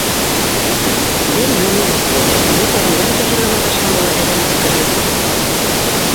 Бер йүне юҡ тиерлек, үҙе тәрәнгә лә төшөргә маташҡан була, әҙәм көлкөһө.